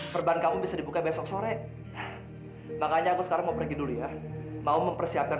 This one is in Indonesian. perban kamu bisa dibuka besok sore makanya aku sekarang mau pergi dulu ya mau mempersiapkan